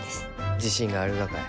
自信があるがかえ？